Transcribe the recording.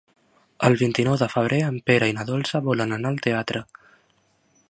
El vint-i-nou de febrer en Pere i na Dolça volen anar al teatre.